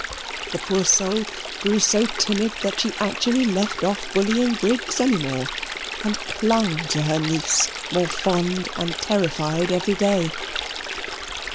The poor soul grew so timid that she actually left off bullying Briggs any more, and clung to her niece, more fond and terrified every day.